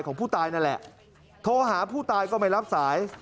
ของผู้ตายนั่นแหละโทรหาผู้ตายก็ไม่รับสาย